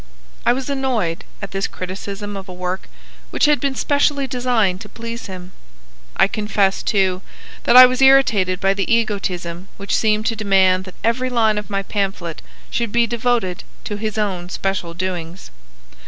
I was annoyed at this criticism of a work which had been specially designed to please him. I confess, too, that I was irritated by the egotism which seemed to demand that every line of my pamphlet should be devoted to his own special doings.